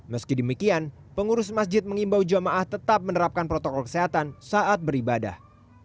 meski demikian pengurus masjid mengimbau jamaah tetap menerapkan protokol kesehatan saat beribadah